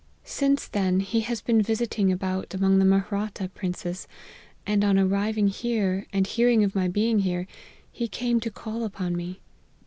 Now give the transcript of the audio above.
Since then, he APPENDIX. 231 has been visiting about among the Mahratta princes and on arriving here, and hearing of my being here he came to call upon me.